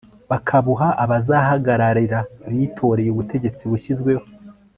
bakabuha abazabahagararira bitoreye. ubutegetsi bushyizweho